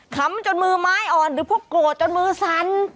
คำจนมือไม้อ่อนหรือพวกโกรธจนมือสั่น